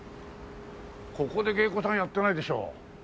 ここで芸妓さんやってないでしょ。